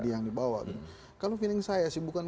yang dibawa kalau feeling saya sih bukan